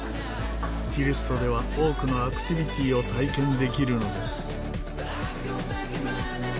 フィルストでは多くのアクティビティーを体験できるのです。